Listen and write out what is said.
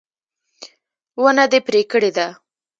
ونه دې پرې کړې ده